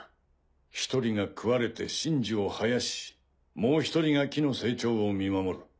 １人が食われて神樹を生やしもう１人が木の成長を見守る。